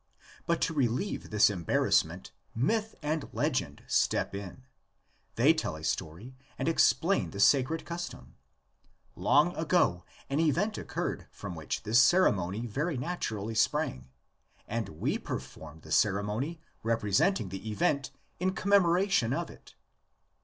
But to relieve this embarrassment myth and legend step in. They tell a story and explain the sacred cus tom: long ago an event occurred from which this ceremony very naturally sprang, and we perform the ceremony representing the event in commemoration of it.